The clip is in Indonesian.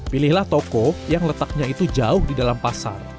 pilihlah toko yang letaknya itu jauh di dalam pasar